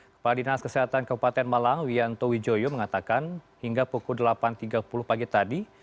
kepala dinas kesehatan kabupaten malang wianto wijoyo mengatakan hingga pukul delapan tiga puluh pagi tadi